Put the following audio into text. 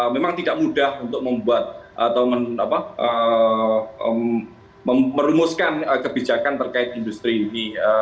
memang tidak mudah untuk membuat atau merumuskan kebijakan terkait industri ini